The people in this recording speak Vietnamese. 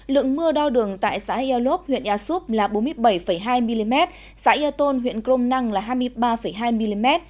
lượng mưa đau đường tại xã yelop huyện yasup là bốn mươi bảy hai mm xã yatol huyện klomnang là hai mươi ba hai mm